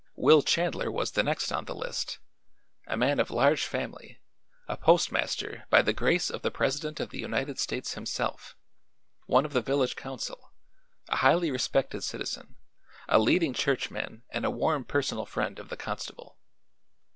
Will Chandler was the next on the list; a man of large family, a postmaster by the grace of the president of the United States himself, one of the village council, a highly respected citizen, a leading churchman and a warm personal friend of the constable.